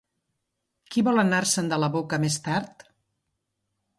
Qui vol anar-se'n de la boca més tard?